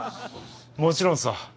もちろんさ。